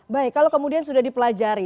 baik kalau kemudian sudah dipelajari